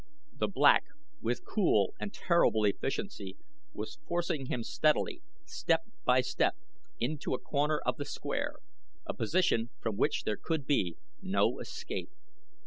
The Black, with cool and terrible efficiency, was forcing him steadily, step by step, into a corner of the square a position from which there could be no escape.